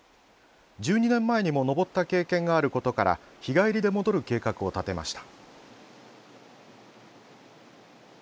１２年前にも登った経験があることから日帰りで戻る計画を立てました。